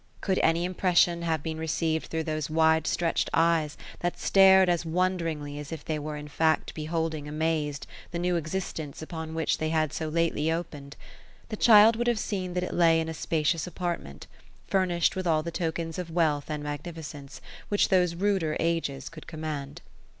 Could any impression have been received through those wide stretched eyes, that st ared as wonderingly as if they were in fact beholding amazed the new existence upon which they had eo lately opened, the child would have seen that it lay in a spacious apartment, furnished with all the tokens of wealth and magnifi cence, which those ruder ages could command.